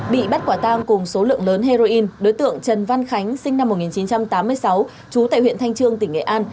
bị bắt quả tang cùng số lượng lớn heroin đối tượng trần văn khánh sinh năm một nghìn chín trăm tám mươi sáu trú tại huyện thanh trương tỉnh nghệ an